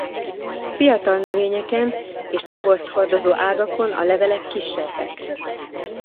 Fiatal növényeken és tobozt hordozó ágakon a levelek kisebbek.